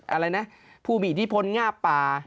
อะไรนะผู้มีอิทธิพลงาบป่า